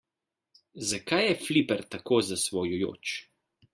Zakaj je fliper tako zasvojujoč?